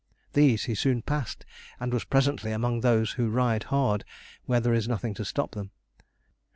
These he soon passed, and was presently among those who ride hard when there is nothing to stop them.